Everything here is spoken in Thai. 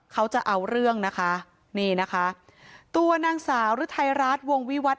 เขาจะเอาเรื่องนะคะนี่นะคะตัวนางสาวฤทัยรัฐวงวิวัตร